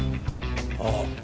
ああ。